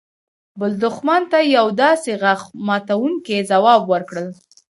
بل دښمن ته يو داسې غاښ ماتونکى ځواب ورکړل.